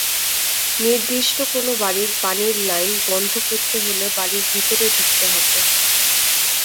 নির্দিষ্ট কোনো বাড়ির পানির লাইন বন্ধ করতে হলে বাড়ির ভেতরে ঢুকতে হবে।